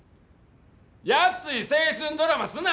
やっすい青春ドラマすな！